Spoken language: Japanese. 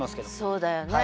そうだよね。